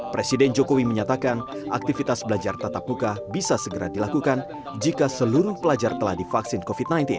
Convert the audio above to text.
presiden jokowi menyatakan aktivitas belajar tatap muka bisa segera dilakukan jika seluruh pelajar telah divaksin covid sembilan belas